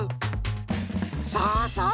さあさあ